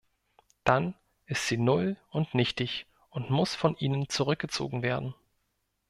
Dann ist sie null und nichtig und muss von Ihnen zurückgezogen werden.